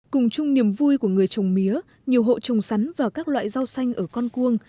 cùng chung niềm vui của người trồng mía nhiều hộ trồng sắn và các loại rau xanh ở con cuông